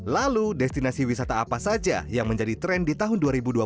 lalu destinasi wisata apa saja yang menjadi tren di tahun dua ribu dua puluh